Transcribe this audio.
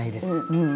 うん。